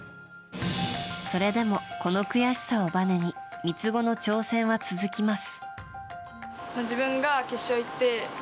それでも、この悔しさをばねに三つ子の挑戦は続きます。